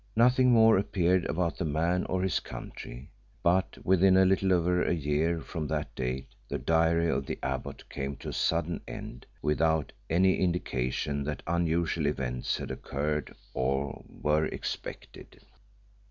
Nothing more appeared about the man or his country, but within a little over a year from that date the diary of the abbot came to a sudden end without any indication that unusual events had occured or were expected.